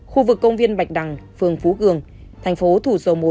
khu vực công viên bạch đằng phường phú cường tp thủ dầu một